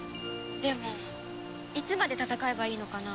でもいつまで戦えばいいのかな？